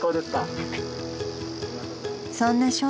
［そんな笑